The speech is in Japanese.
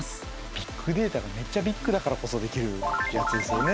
ビッグデータがめっちゃビッグだからこそできるやつですよね。